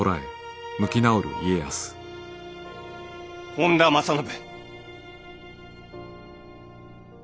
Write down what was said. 本多正信。